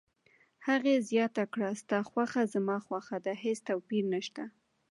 هغې زیاته کړه: ستا خوښه زما خوښه ده، هیڅ توپیر نشته.